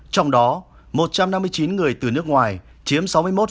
trong đó một trăm năm mươi chín người từ nước ngoài chiếm sáu mươi một